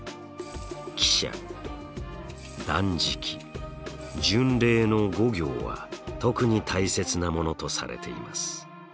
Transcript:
喜捨断食巡礼の五行は特に大切なものとされています。